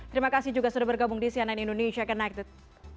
terima kasih juga sudah bergabung di cnn indonesia connected